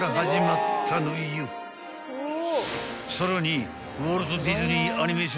［さらに］